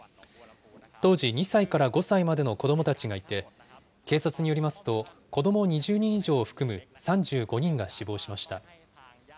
当時、２歳から５歳までの子どもたちがいて、警察によりますと、子ども２０人以上を含む３５人が死亡しました。